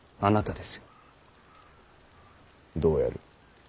どうやる。